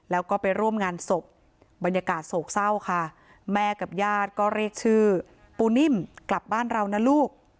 แล้วก็ไปร่วมงานศพบรรยากาศโศกเศร้าค่ะแม่กับญาติก็เรียกชื่อปูนิ่มกลับบ้านเรานะลูก